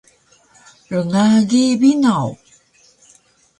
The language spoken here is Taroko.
Rngagi binaw!